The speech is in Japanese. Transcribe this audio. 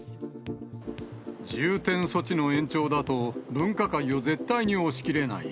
重点措置の延長だと、分科会を絶対に押し切れない。